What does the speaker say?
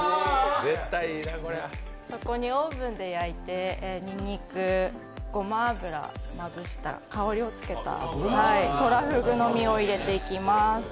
そこにオーブンで焼いたにんにく、ごま油で香りをつけたとらふぐを入れていきます。